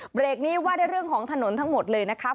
เบรกนี้ว่าได้เรื่องของถนนทั้งหมดเลยนะครับ